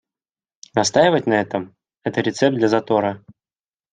Настаивать на этом — это рецепт для затора.